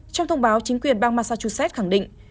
trong thông báo chính quyền bang massachusetts khẳng định